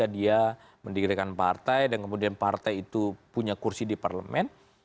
karena jika konglomerat bisa mendirikan partai dan kemudian partai itu punya kursi di parlemen